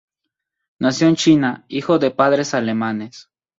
Nació en China, hijo de padres alemanes.